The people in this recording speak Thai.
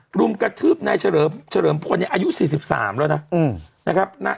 กลุ่มกระทืบในเฉลิมพ่วนอายุ๔๓แล้วนะ